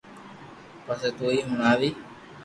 پسي تو ھي ھڻاوي